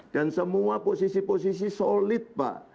dan semua posisi posisi solid pak